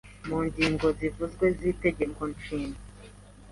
Mu ngingo zevuzwe z’Itegeko Nshinge,